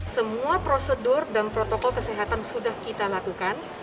semua prosedur dan protokol kesehatan sudah kita lakukan